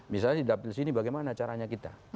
misalnya di dapil sini bagaimana caranya kita